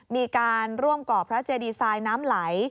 มีการร่วมก่อพระเจดีไซน์น้ำไหล